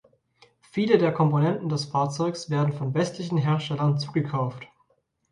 Viele der Komponenten des Fahrzeugs werden von westlichen Herstellern zugekauft.